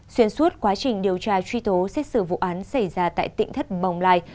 xuyên suốt quá trình điều tra truy tố xét xử vụ án xảy ra tại tỉnh thất bồng lai